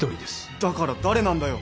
だから誰なんだよ！